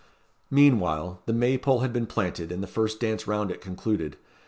Meanwhile, the May pole had been planted, and the first dance round it concluded.